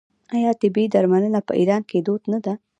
آیا طبیعي درملنه په ایران کې دود نه ده؟